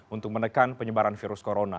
untuk menekan penyebaran virus corona